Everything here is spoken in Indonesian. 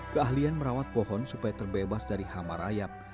keahlian merawat pohon supaya terbebas dari hama rayap